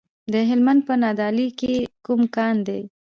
د هلمند په نادعلي کې کوم کان دی؟